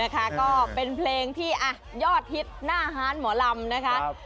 ก็เป็นเพลงที่ยอดฮิตหน้าฮานหมอลำนะคะ